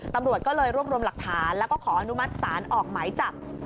ตำรวจก็เลยรวบรวมหลักฐานแล้วก็ขออนุมัติศาลออกหมายจับ